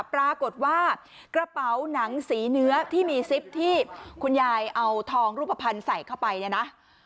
ปรากฏว่ากระเป๋าหนังสีเนื้อที่มีซิปที่คุณยายเอาทองรูปภัณฑ์ใส่เข้าไปเนี่ยนะ